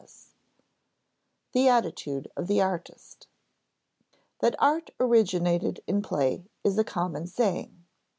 [Sidenote: The attitude of the artist] That art originated in play is a common saying.